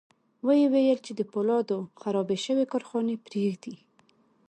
ويې ويل چې د پولادو خرابې شوې کارخانې پرېږدي.